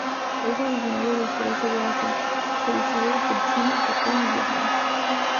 Es originario del sureste de Asia, se distribuye por China, Japón y Vietnam.